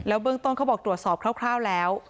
เบื้องต้นเขาบอกตรวจสอบคร่าวแล้ว